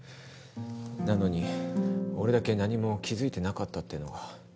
なのに俺だけ何も気付いてなかったっていうのが。